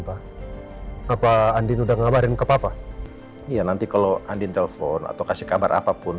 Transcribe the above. pak apa andin udah ngabarin ke papa iya nanti kalau andin telepon atau kasih kabar apapun